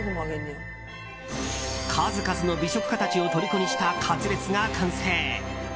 数々の美食家を虜にしたカツレツが完成。